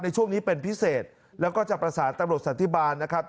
ในช่วงนี้เป็นพิเศษแล้วก็จะประสานตำรวจสันติบาลนะครับ